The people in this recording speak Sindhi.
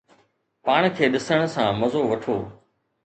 پاڻ کي ڏسڻ سان مزو وٺو